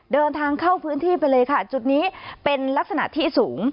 เดินทางเข้าพื้นที่ไปเลยค่ะจุดนี้เป็นลักษณะที่สูง